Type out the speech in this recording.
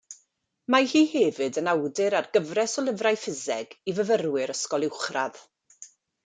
Mae hi hefyd yn awdur ar gyfres o lyfrau ffiseg i fyfyrwyr ysgol uwchradd.